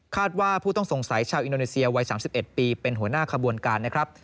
ว่าผู้ต้องสงสัยชาวอินโดนีเซียวัย๓๑ปีเป็นหัวหน้าขบวนการนะครับ